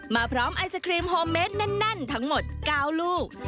พร้อมไอศครีมโฮมเมดแน่นทั้งหมด๙ลูก